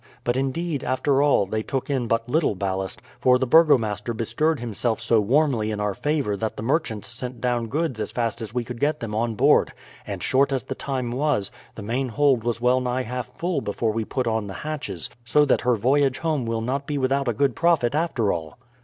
But, indeed, after all, they took in but little ballast, for the burgomaster bestirred himself so warmly in our favour that the merchants sent down goods as fast as we could get them on board, and short as the time was, the main hold was well nigh half full before we put on the hatches; so that her voyage home will not be without a good profit after all."